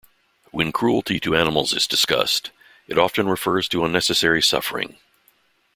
When cruelty to animals is discussed, it often refers to unnecessary suffering.